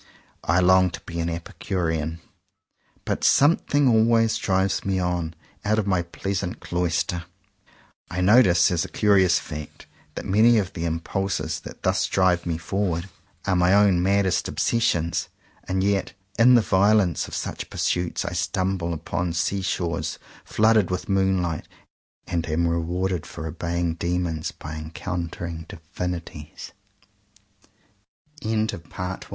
I long to be an Epicurean; but something always drives me on, out of my pleasant cloister. I notice as a curious fact that many of the impulses that thus drive me forward are 13 CONFESSIONS OF TWO BROTHERS my own maddest obsessions; and yet in the violence of such pursuits I stumble upon seashores flooded with moonlight, and am rewarded for obeying demons by encount